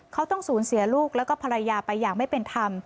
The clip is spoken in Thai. เขาต้องสูญเสียลูกแล้วก็ภรรยาไปอย่างไม่เป็นธรรม